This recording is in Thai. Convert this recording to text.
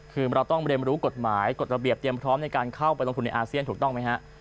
คือเราต้องเรียนรู้กฎหมายกฎระเบียบเตรียมพร้อมในการเข้าไปลงทุนในอาเซียนถูกต้องไหมฮะ